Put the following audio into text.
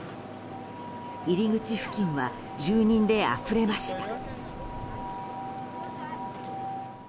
入り口付近は住人であふれました。